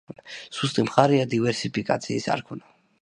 სუსტი მხარეა დივერსიფიკაციის არ ქონა.